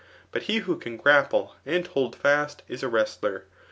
Bat he who can grapple and hold fast, is a wrestler.